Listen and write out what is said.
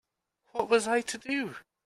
What was I to do?